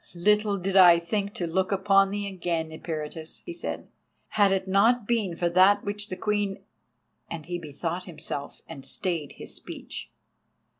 "Little did I think to look upon thee again, Eperitus," he said. "Had it not been for that which the Queen——" and he bethought himself and stayed his speech.